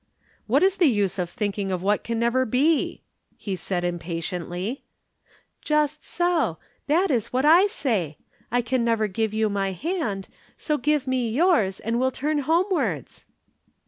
"What is the use of thinking of what can never be!" he said impatiently. "Just so. That is what I say. I can never give you my hand; so give me yours and we'll turn homewards."